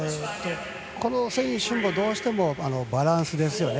この選手もどうしてもバランスですよね。